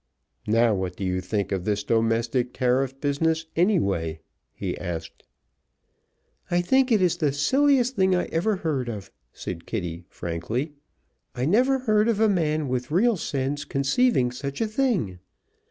"Now, what do you think of this Domestic Tariff business, anyway?" he asked. "I think it is the silliest thing I ever heard of," said Kitty frankly. "I never heard of a man with real sense conceiving such a thing.